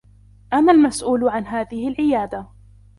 أنا المسؤول عن هذه العيادة.